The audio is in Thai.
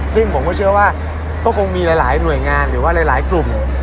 ซึ่งผมก็เชื่อว่าก็คงมีหลายหน่วยงานหรือว่าหลายกลุ่ม